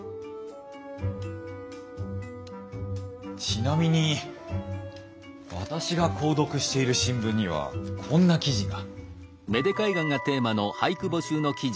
ちなみに私が購読している新聞にはこんな記事が。